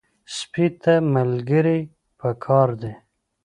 سپي ته ملګري پکار دي.